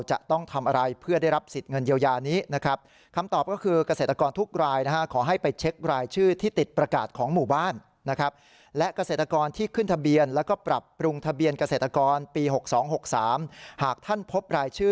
จะต้องทำอะไรเพื่อได้รับสิทธิ์เงินเยียวยานี้นะครับ